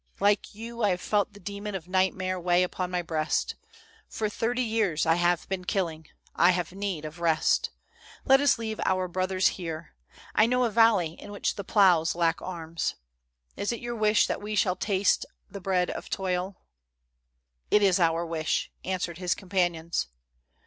Like you, I have felt the demon of nightmare weigh upon my breast. For thirty years I have been killing ; I have need of rest. Let us leave our brothers here. I know a valley in which the ploughs lack arms. Is it your wish that we shall taste the bread of toil ?"'' It is our wish 5" answered his companions.